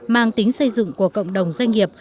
mang tính xây dựng của cộng đồng doanh nghiệp